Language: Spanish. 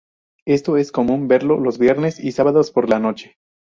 Esto es común verlo los viernes y sábados por la noche.